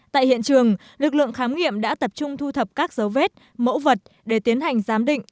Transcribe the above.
tại hiện trường lực lượng khám nghiệm đã tập trung thu thập các dấu vết mẫu vật để tiến hành giám định